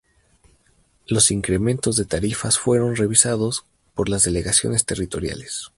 Los incrementos de tarifas fueron revisados por las delegaciones territoriales.